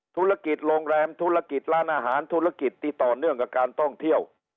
ธุรกิจโรงแรมธุรกิจร้านอาหารธุรกิจที่ต่อเนื่องกับการท่องเที่ยว